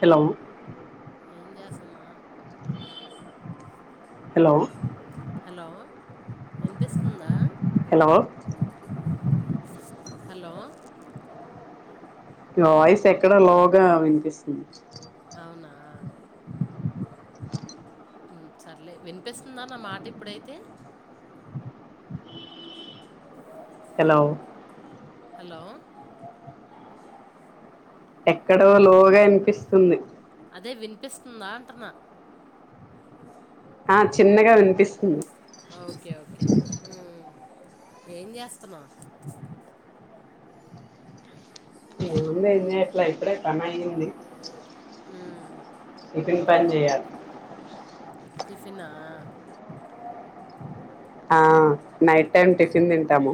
Hello ఏం జాస్ ఉమా హలో హలో విన్పిస్తుందా. హలో హలో నాయిస్ ఎక్కడో లోగ్ గా వినిపిస్తుంది. ఆ హ్మ్ సర్లే వినిపిస్తుందా నా మాట ఇప్పుడైతే. హలో హలో ఎక్కడో లోగా ఇన్పిస్తుంది. అదే వినిపిస్తుందాంటున్నా. ఆ చిన్నగా వినిపిస్తుంది ఓకే ఓకే మ్మ్ ఏం జాస్తున్నావ్ ఏముంది ఏం జెయట్లే ఇప్పుడే పనయ్యింది. హ్మ్ పన్ జెయ్యాలి టిఫీ నా ఆ నైట్ టైం టిఫిన్ తింటాము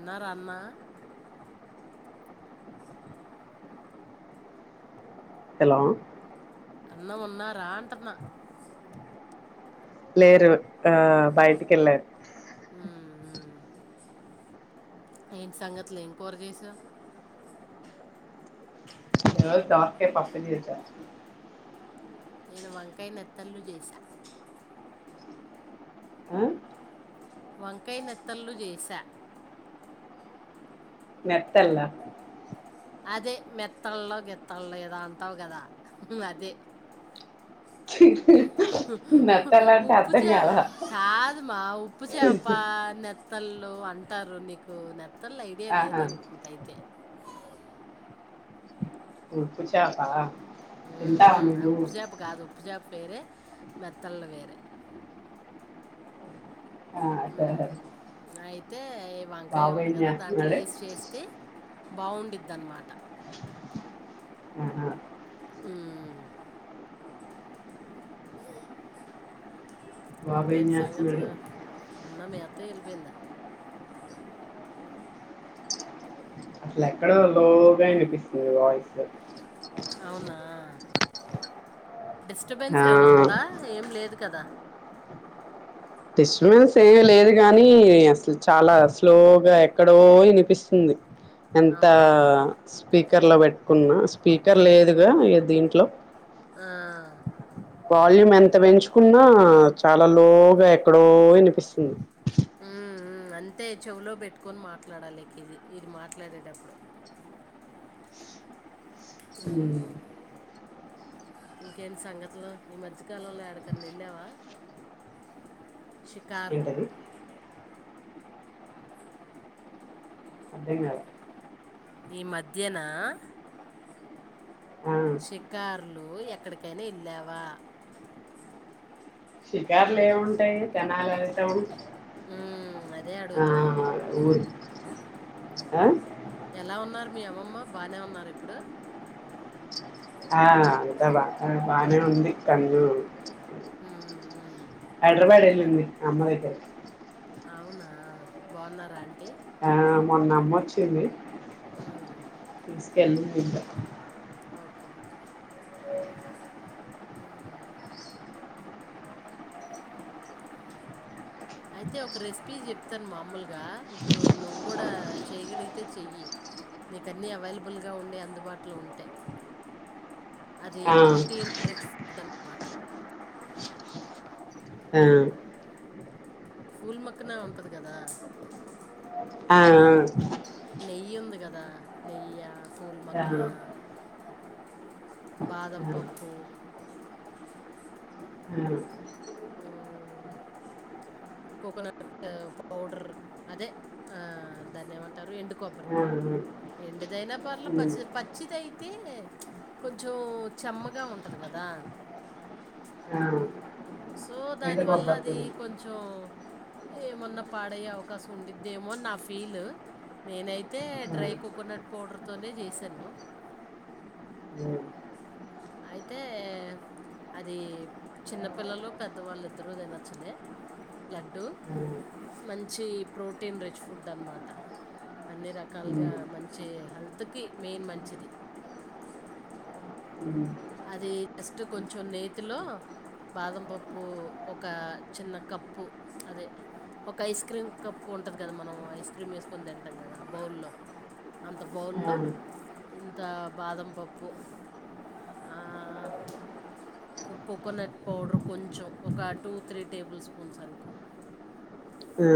ఉన్నరా అన్నా హలో అన్న ఉన్నారా అంటన్న లేరు ఆ బయటికెళ్లరు హ్మ్ ఏంట్ సంగతుల్ ఏం కూర చేసావ్ ఈరోజ్ దోస్కాయ్ పప్పు చేసా నేను వంకాయ్ నెత్తళ్లు చేసా ఆ వంకయ్ నెత్తళ్లు చేసా మెత్తల్ల అదే మెత్తల్లో, గిత్తల్లో ఏదో అంతవ్ గదా అదే ఊహు హు నెత్తళ్ళ అంటే ఉప్పు అర్థం చేప కాలా కాదు మా ఉప్పు చేప, నెత్తల్ ళ్ళు అంతారు నీకు నేత్ నేత్తల్ ఐడియా ఆహా లేదనుకుంటే అయితే ఉప్పుచాప తింటార మీరు పేరే మెత్తల్ వేరే ఆ సరే సరే ఉమ్, అయితే వంకాయ బాబు ఉంది ఏం కదా దాంట్లో చేస్తున్నాడు వసి చేస్తే బావుండిదన్నమాట ఆహా బాబు ఏం ఇంకేట్టి చేస్తున్నాడు సంగతులు ఉంద మి అత్తయ్య వెళ్ళిపోయిందా అసలు ఎక్కడ లోగా వినిపిస్తుంది వాయిస్ అవునా డిస్టబెన్న్స్ ఏమైనా ఉందా ఏం లేదు కదా డిస్టర్బెన్స్ ఏమి లేదు కాగాని అసలు చాలా స్లోగా ఎక్కడో వినిపిస్తుంది ఎంత అవునా స్పీకర్ లో పెట్ కున్నా స్పీకర్ లేదుగా దీంట్లో ఆ వాల్యూం ఎంత పెంచుకున్నా చాలా లోగా ఎక్కడో వినిపిస్తుంది ఉ అంతే చెవులో పెట్టుకొని మాట్లాడాలికి ఇది ఇది మాట్లాడేటప్పుడు ఉమ్ ఇంకేంటి సంగతులు ఈ మధ్య కాలంలో ఎడకన్నా నిళ్ళావా షికార్లు ఏంటది అంతేంగా ఈ మధ్యన ఆ, షికారులు ఎ ఎక్కడికైనా ఇళ్ళావా షికారులు ఏమింటాయి తెనాలు అతే ఉంటాయి ఉమ్, అదే ఆ అడుగుతున్నా ఊరి ఆ ఎలా ఉన్నారు మీ అమ్మమ్మ బానే ఉన్నారు ఇప్పుడు ఆ అంతా బా బాగానే ఉంది కళు ఉమ్, ఉమ్. హైదరాబాద్ వెళ్ళింది అమ్మ దగ్గర అవునా బాగున్నార అంటీ మొన్న అమ్మ వచ్చింది ఆ ఎలా ఇంట ఓకే ఓకే అయితే ఒక రెసిపీ చెప్తాను మామూలుగా నువ్వు కూడా చేయగలిగితే చెయ్యి నీక అన్నీ అవైలబుల్గా ఉండి అందుబాటులో ఉంటే అది ఆ, ప్రోటీన్ రిచ్ డ్న్నమాట ఆ పూల్ మక్కనే ఉంటది గదా ఆఅ నెయ్యి ఉంది కదా నెయ్యి ఆ, ఆ, పూలమక్కన బాదం పప్పు ఆ, ఆ కోకోనట్ పౌడర్ అదే దాన్ని ఏమంటారు ఎండు కొబ్బరి ఆ, ఎండుదైనా పర్ల ఉమ్, పచ్చి పచ్చిది అయితే కొంచెం చెమ్మగా ఉంటుంది గదా ఆ, సో ఎండు దాని వల్ల కొబ్బరి అది తురుము. కొంచెం ఏమన్నా పాడయ్యే అవకాశం ఉండింద్దేమో అని నా ఫీలూ నేనైతే ఆ, డ్రై కోకోనట్ పౌడర్తోనే చేశాను ఉమ్, అయితే అది చిన్నపిల్లలు పెద్దవాళ్ళిద్దరూ తినచ్చులే లడ్డుూ ఆ, మంచి ప్రోటీన్ రిచ్ ఫుడ్ అనమాట అన్ని రకాలుగా ఉమ్, మంచి హెల్త్కి మెయిన్ మంచిది ఉమ్, అది జస్ట్ కొంచెం నేతిలో బాదం పప్పు ఒక చిన్న కప్పు అదే ఒక ఐస్ క్రీమ్ కప్పు ఉంటది గదా మనం ఐస్ క్రీమ్ ఏసుకొని తింటాం కదా బౌల్లో అంత ఆ, ఆ, బౌల్లో ఇంత బాదం పప్పు ఆ కొ కోకోనట్ పౌడర్ కొంచెం ఒక టూ త్రీ టేబుల్ స్పూన్స్ అనుకో ఆ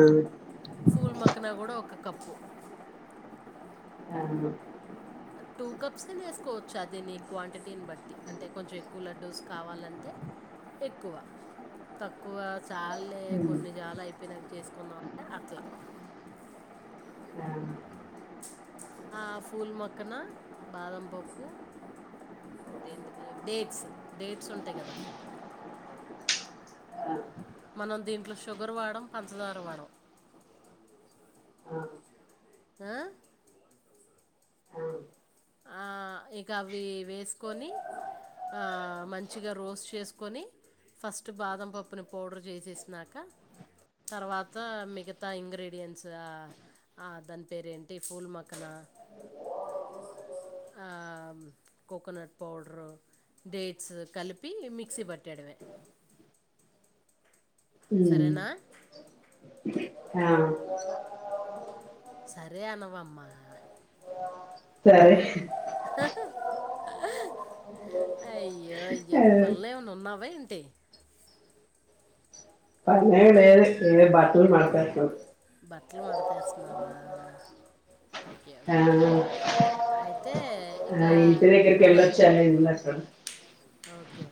పూల్ మక్కన కూడా ఒక కప్పు టూ కప్స్ అయిన ఏసుకోవచ్చు అది నీ క్వాంటిటీని బట్టి అంటే కొంచెం ఎక్కువ లడ్డూస్ కావాలంటే ఎక్కువ తక్కువ చాల్లే ఉమ్, కొన్ని జాలు అయిపోయినాక చేసుకుందాం అంటే అట్లా ఆ, ఆ, ఆ పూల్ మొక్కన బాదం పప్పు ఇంకోటి ఏంటి ఇది డేట్స్ డేట్స్ ఉంటాయి గదా మనం దీంట్లో షుగర్ వాడం పంచదార వాడం ఆ ఆ ఇక అవి వేసుకొని మంచిగా రోస్ట్ చేసుకొని ఫస్ట్ బాదం పప్పుని పౌడర్ చేసేసినాక తర్వాత మిగతా ఇంగ్రీడియంట్స్ ఆ దాని పేరేంటి పూలమక్కన ఆ కోకోనట్ పౌడరు డేట్స్ కలిపి మిక్సీ పట్టడమె ఉమ్, సరేనా ఆ సరే అనవామ్మా సరే అయ్ అయ్యో అయ్యో పనులో ఏమన్నా వన్నావ [unintelligible] ఏంటి [unintelligible] బట్లు మడతేస్తున్నావా ఓకే ఆ, ఓకే అయితే ఇక మీ ఇంటి దగ్గరికి అవన్నీ వెళ్లొచ్చాను ఇందాక ఓకే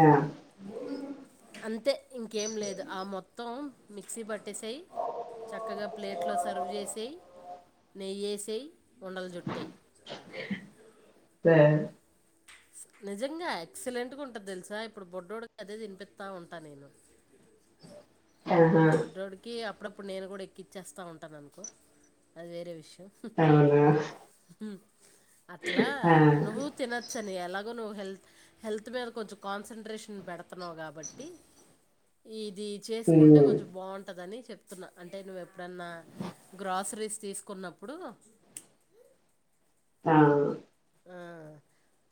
ఆ [unintelligible] అంతే ఇంకేం లేదు ఆ మొత్తం మిక్సీ పట్టేసెయ్ చక్కగా ప్లేట్లో సర్వ్ చేసెయ్ నెయ్యేసేయ్ ఉండలు జుట్టే సరే నిజంగా ఎక్సలెంట్ గా ఉంటది దెలుసా ఇప్పుడు బొడ్డోడికి అదే తినిపిత్తా ఉంటా నేను ఆహా, బుడ్డోడికి అప్పుడప్పుడు నేను కూడా ఎక్కించేస్తా ఉంటాను అనుకో అది వేరే విషయం అవునా అట్లా ఆ, నువ్వు తినచ్చని ఎలాగో నువ్వు హెల్త్ హెల్త్ మీద కొంచెం కాన్సన్ట్రేషన్ పెడతున్నావు కాబట్టి ఇది చేసుకుంటే ఉమ్, కొంచెం బాగుంటదని చెప్తున్నా అంటే నువ్వు ఎప్పుడన్నా గ్రసరీస్ తీసుకున్నప్పుడు ఆ.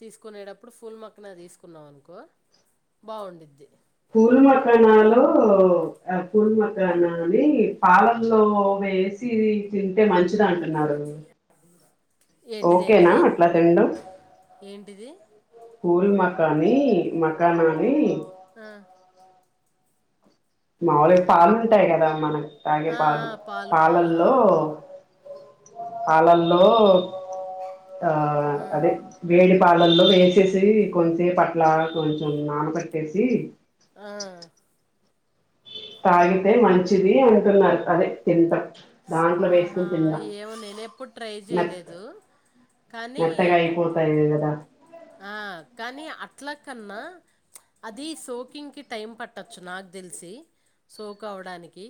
తీసుకునేడప్పుడు ఫుల్ మక్కన తీసుకున్నావ్ అనుకో బాగుండ్డిద్ది పూలు మకానాలో పూల మకానాని పాలల్లో వేసి తింటే మంచి తిను అంటున్నాడు ఏంటిది ఓకేనా ఏంటిది అట్లా తిండ్డం ఏంటిది పూల్ మాకని మకానాన్ని ఆ మాముూలుగా పాలుంటాయి కదా మనకు తాగే ఆ, పాదు ఆ, పాలు పాలు ఆ, పాలల్లో హాలల్లో ఆ అదే వేడి పాలల్లో వేసేసి కొంచెం పట్ల కొంచెం నాన కట్టేసి ఆ తాగితే మంచిది అంటున్నారు అదే తింటం ఆహా ఏమో నేను ఎప్పుడు ట్రై మెత్ చేయలేదు కానీ వ కానీ అట్లా కన్నా అది సోకింగ్కి టైం పట్టొచ్చు నాకు తెలిసి సోక్ అవడానికి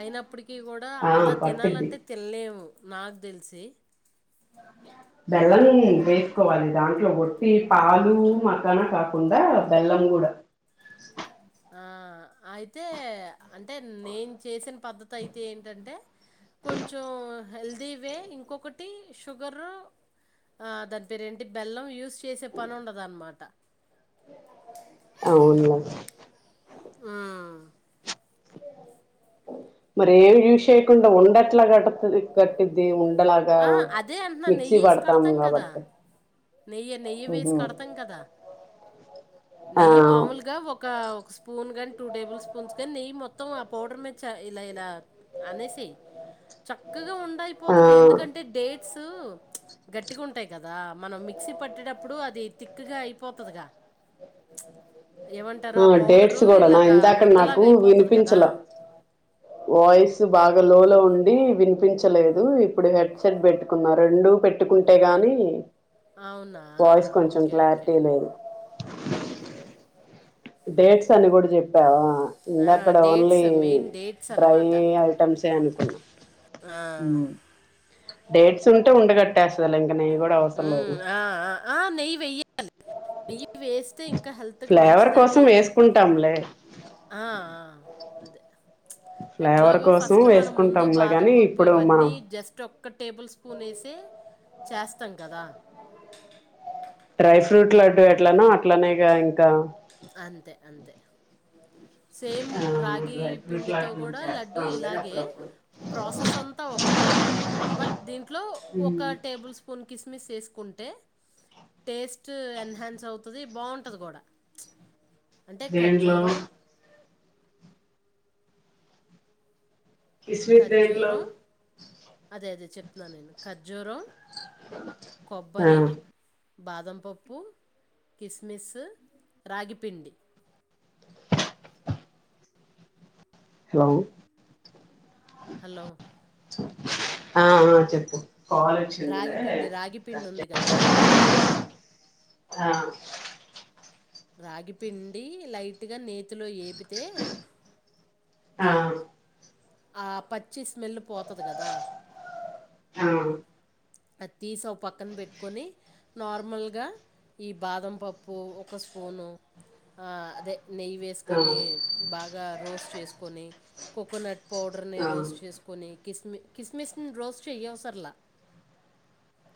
అయిన అప్పటికీ కూడా ఆ అలా పట్టిద్ది తినాలంటే తినలేము నాకు తెలిసి బెల్లం వేసుకోవాలి దాంట్లో వట్టి పాలు మకాన కాకుండా బెల్లం కూడా అయితే అంటే నేను చేసిన పద్ధతి అయితే ఏంటంటే కొంచెం హెల్దీ వే ఇంకొకటి షుగరు దాని పేరు ఏంటి బెల్లం యూస్ చేసే పని ఉండదన్నమాట అవునులే ఆ మరే విీషయండ ఉండట్లా క కట్టది ఉ ఆ అదే అంటున్నా నెయ్యి వేసి కడతాం కదా కాబట్టి నెయ్యి నెయ్యి వేసి కడతాం కదా ఆ నెయ్యి మామలుగా ఒక ఒక స్పూన్ కంటే టూ టేబుల్ స్పూన్స్ నెయ్యి మొత్తం ఆ పౌడర్ మీద ఇలా ఇలా అనేసి చ గా ఉాయిపో ఆ పోతుది ఎందుకు ఎందుకంటే డేట్స్ గట్టిగా ఉంటాయి కదా దా మనం మిక్సీ పట్టేటప్పుడు అది థిక్ గా అయిపోతదిగా ఏమంటారు? ఆ డేట్స్ పౌడరు కూడా నా ఇలాగా ఇందాకట నాకు ముద్దలాగా అయిపోతది కదా! వినిపించల వాయిస్ బాగా లో లో ఉండి ఉండి వినిపించలేదు ఇప్పుడు హెడ్సెట్ పెట్టుకున్న రెండు పెట్టుకుంటే గానీ అవునా ఓకే ఓకే లేదు డేట్స్ అని కూడా జెప్పేవా ఇంగ ఆ! అక్కడ only dates main dates dry అన్నమాట. ఐటమ్స్ ఏ అంట ఆ డేట్స్ ఉంటే ఉండగట్టేస్తాదిలే అండి నెయ్యి కూడ హ్మ్. అవసర్లేదు ఆ! ఆ! ఆ! నెయ్యి వెయ్యాలి. నెయ్యి వేస్తే ఇంక ఫ్లేవర్ కోసం వేసుకుంటాంలే ఆ ఆ అదే ఫ్లేవర్ ఎట్లాగో కోసం ఫస్ట్ మనం ముందు వేసుకుంటాంలే బాదం గాని పప్పు ఇప్పుడు ఇవన్నీ మనం జస్ట్ ఒక్ ఒక్క టేబుల్ స్పూన్ యేసే చేస్తాం కదా డ్రై ఫ్రూట్ లడ్డు ఎట్లనో అట్లనే గా ఇంక అంతే అంతే సేమ్ ఆ రాగి డ్రై ఫ్రూట్ పిండి తో లడ్డు కూడా లడ్డు చేస్తాంలే ఇలాగే అప్పుడప్పుడు ప్రొసెస్ అంతా ఒకటే బట్ దీంట్లో ఒక టేబుల్ స్పూన్ కిస్ కిస్మిస్ వేసుకుంటే టేస్ట్ ఎన్హాన్స్ అవుతది బావుంటది కుడా [inaudible] అంటే దేంట్లో ఖజ్జూరం కిస్మిస్ దేంట్లో కజ్జూరం అదే అదే చెప్తున్న నేను కజ్జురం ఆ బాదం పప్పు కిస్మిస్ రాగిపిండి హలో హలో ఆ ఆ చెప్పు కాల్ వచ్చిందిలే రాగి పిండి రాగి పిండి ఉంది ఆ కదా ఆ రాగి పిండి లైట్ గా నేతీ నేతీలో ఏపితే ఆ ఆ పచ్చి స్మెల్ పోతది కదా ఆ అది తీసి ఒక పక్కన పెట్టుకొని నార్మల్గా ఈ బాదం పప్పు ఒక స్పూన్ ఆ అదే నెయ్యి వేసుకొని ఉమ్ బాగా రోస్ట్ చేసుకో కొన్ని కోకోనట్ పౌడర్ని ఆ రోస్ చేసుకొని కిస్మస్ కిస్మిస్ ని రోస్ట్ చెయ్యవుసరలా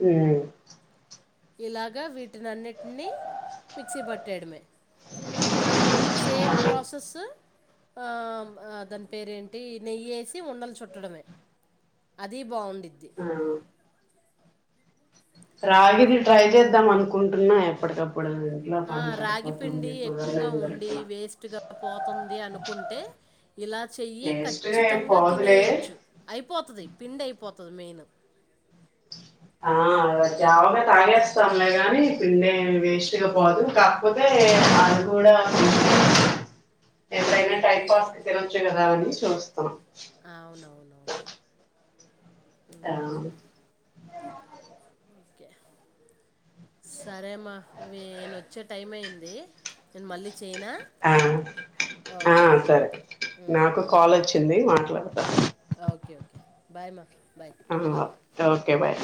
ఆ ఇలాగ వీటిని అన్నిటిని మిక్సీ పట్టేయడమే సేమ్ ప్రాసెస్స్ ఆ దాని పేరేంటి నెయ్యిసి ఉండలు చుట్టడమే అది బాగుంది ఆ రాగిది ట్రై చేద్దాం అనుకుంటున్నా ఎప్పటికప్పుడు ఇంట్లో ఆ పని రాగి పిండి సరిపోతుంది కుదరనే ఎక్కువగా ఉండి కుదరట్లా వేస్ట్గా పోతుంది అనుకుంటే ఇలా చెయ్యి టేస్ట్గా ఏం ఖచ్చితంగా పోదులే తినేయచ్చు అయిపోతది పిండి అయిపోతది మెయిన్ ఆ జావమే తాగేస్తాంలే గానీ పిండే వేస్ట్గా పోదు కాకపోతే అది కూడా ఎంతైనా మ్మ్. టైం పాస్ కి తిన తినొచ్చు కదా అని చూస్తున్నాం అవునవునవును ఆ అ ఓకే సరే అమ్మాయేనా వచ్చే టైం అయింది నే మళ్ళీ చేయనా ఆ ఆ ఓకే అయితే సరే మ్మ్, నాకు మ్మ్. కాల్ వచ్చింది మా తా [unintelligible] ఓకే ఓకే బాయ్ మా బాయ్ ఆ ఓకే బాయ్